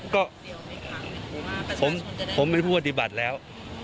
ก็ผมไม่พูดวัติบัติแล้ว